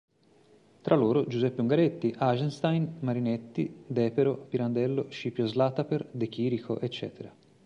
Tra loro Giuseppe Ungaretti, Ėjzenštejn, Marinetti, Depero, Pirandello, Scipio Slataper, De Chirico, ecc.